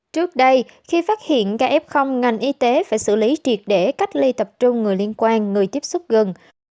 trước đây khi phát hiện ca f ngành y tế phải xử lý triệt để cách ly tập trung người liên quan người tiếp xúc gần